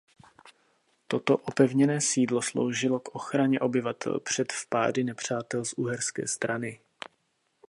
Toto opevněné sídlo sloužilo k ochraně obyvatel před vpády nepřátel z uherské strany.